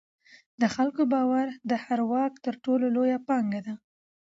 د خلکو باور د هر واک تر ټولو لویه پانګه ده